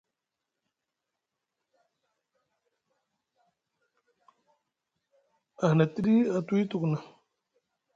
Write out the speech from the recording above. A hina tiɗi a tuwi tuku na.